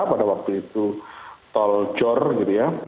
pada waktu itu tol jor gitu ya